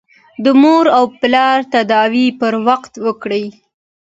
د مور او پلار تداوي پر وخت وکړئ.